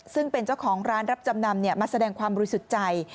ซึ่งเป็นเจ้าของร้านรับจำนำมาแสดงความบริสุทธิ์ใจ